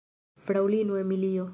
Fraŭlino Emilio!